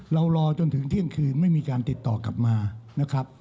รอจนถึงเที่ยงคืนไม่มีการติดต่อกลับมานะครับ